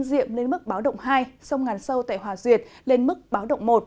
diệm lên mức báo động hai sông ngàn sâu tại hòa duyệt lên mức báo động một